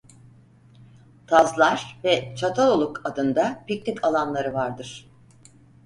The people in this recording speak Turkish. Tazlar ve Çataloluk adında piknik alanları vardır.